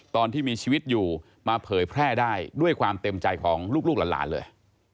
ตอนที่มีชีวิตอยู่มาเผยแพร่ได้ด้วยความเต็มใจของลูกหลานเลย